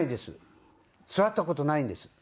座った事ないんです。